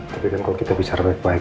tapi kan kalau kita bicara baik baik